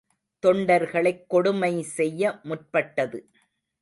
தொண்டர்களைக் கொடுமை செய்ய முற்பட்டது.